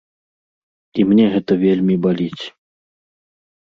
І мне гэта вельмі баліць.